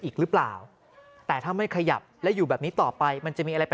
อีกหรือเปล่าแต่ถ้าไม่ขยับและอยู่แบบนี้ต่อไปมันจะมีอะไรไป